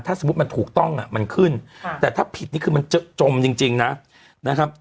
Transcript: ถ้าสมมุติมันถูกต้องอ่ะมันขึ้นแต่ถ้าผิดนี่คือมันจมจริงนะครับ